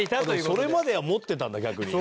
それまでは持ってたんだ逆に。